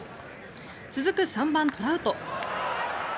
続く３番、トラウト。